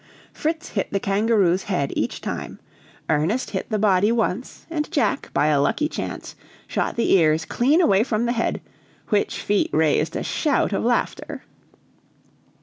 Fritz hit the kangaroo's head each time; Ernest hit the body once; and Jack, by a lucky chance, shot the ears clean away from the head, which feat raised a shout of laughter.